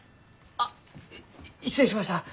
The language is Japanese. あっ失礼しました！